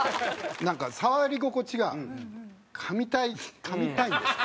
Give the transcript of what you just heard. なんか触り心地がかみたいかみたいんです。